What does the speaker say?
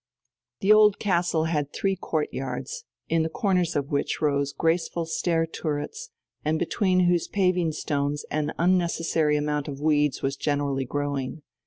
The Old Castle had three courtyards, in the corners of which rose graceful stair turrets and between whose paving stones an unnecessary amount of weeds was generally growing.